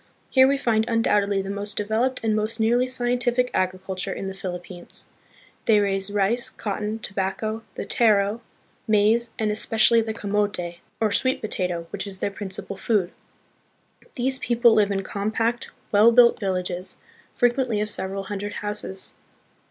Here we find un doubtedly the most developed and most nearly scientific agriculture in the Philippines. They raise rice, cotton, tobacco, the taro, maize, and especially the camote, or 34 THE PHILIPPINES. sweet potato, which is their principal food. These people live in compact, well built villages, frequently of several hundred houses.